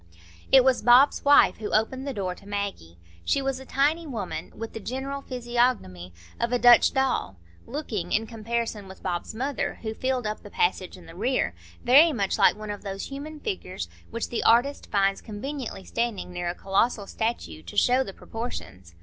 It was Bob's wife who opened the door to Maggie. She was a tiny woman, with the general physiognomy of a Dutch doll, looking, in comparison with Bob's mother, who filled up the passage in the rear, very much like one of those human figures which the artist finds conveniently standing near a colossal statue to show the proportions.